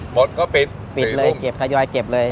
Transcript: หมดก็ปิดปิดเลยเก็บทยอยเก็บเลย